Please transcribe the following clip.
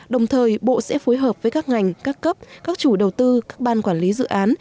đồng thời bộ sẽ phối hợp với các ngành các cấp các chủ đầu tư các ban quản lý dự án